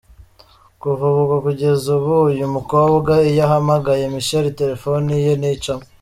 Kuva ubwo kugeza ubu uyu mukobwa iyo ahamagaye Michel telefoni ye nticamo.